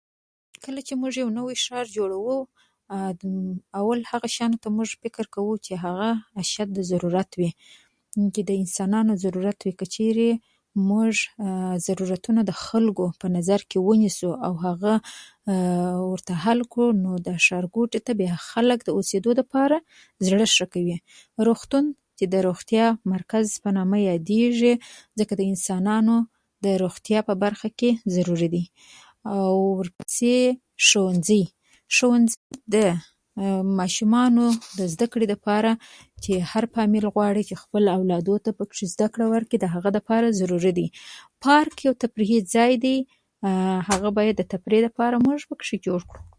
کله چې موږ یو نوی ښار جوړوو، اول هغه شیانو ته موږ فکر کوو چې هغه اشد ضرورت وي، چې د انسانانو ضرورت وي. که چېرې موږ ضرورتونه د خلکو په نظر کې ونیسو او هغه ورته حل کړو، نو د ښارګوټي ته خلک اوسېدو لپاره زړه ښه کوي. روغتون چې د روغتیا د مرکز په نامه یادېږي، ځکه د انسانانو د روغتیا په برخه کې ضروري دی. او ورپسې ښوونځي؛ ښوونځي د ماشومانو د زده کړې لپاره، چې هر فامیل غواړي چې خپل اولادو ته پکې زده کړه ورکړي، د هغو لپاره ضروري دی. پارک یو تفریحي ځای دی. هغه باید موږ د تفریح لپاره موږ باید پکې جوړ کړو.